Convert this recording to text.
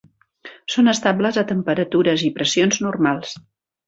Són estables a temperatures i pressions normals.